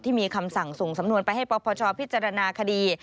ที่มีคำสั่งส่งสำนวนไปให้ปปชพิจารณาคดี